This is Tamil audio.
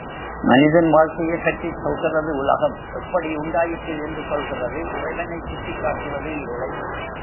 மனிதன் வாழ்க்கையைப் பற்றிச் சொல்கிறது உலகம் எப்படி உண்டாயிற்று என்று சொல்கிறது இறைவனைச் சுட்டிக் காட்டுவது இல்லை.